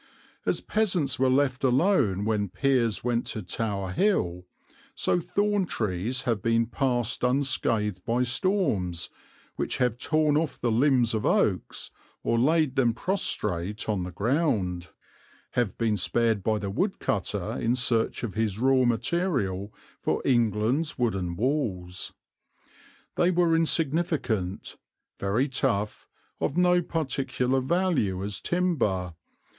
As peasants were left alone when peers went to Tower Hill, so thorn trees have been passed unscathed by storms which have torn off the limbs of oaks or laid them prostrate on the ground, have been spared by the woodcutter in search of his raw material for England's wooden walls. They were insignificant, very tough, of no particular value as timber.